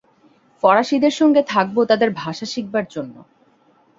ফরাসীদের সঙ্গে থাকব তাদের ভাষা শিখবার জন্য।